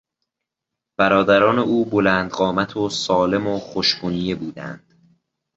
برادران او بلند قامت و سالم و خوش بنیه بودند.